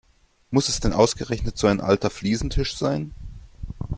Muss es denn ausgerechnet so ein alter Fliesentisch sein?